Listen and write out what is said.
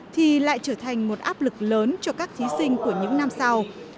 thì lại trở thành một áp lực lớn cho các thí sinh của những năm sau